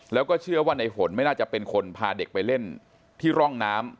แล้วก็เชื่อว่าในฝนไม่น่าจะเป็นคนพาเด็กไปเล่นที่ร่องน้ำ